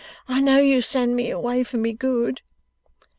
I know you send me away for my good.